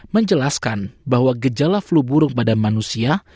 menjelaskan bahwa gejala flu burung pada manusia